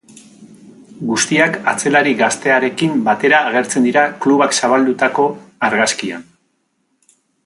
Guztiak atzelari gaztearekin batera agertzen dira klubak zabaldutako argazkian.